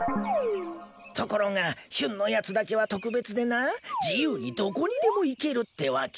ところがヒュンのやつだけは特別でな自由にどこにでも行けるってわけよ。